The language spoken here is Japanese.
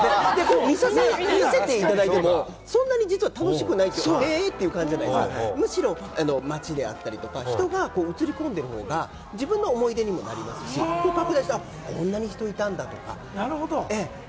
見せていただいても実はそんなに楽しくない感じで、むしろ街であったりとか人が映り込んでいる方が自分の思い出にもなりますし、拡大して、こんなに人がいたんだとか。